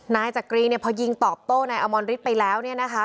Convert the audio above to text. นายจักรีพอยิงตอบโต้ในอมอนฤทธิ์ไปแล้วนะคะ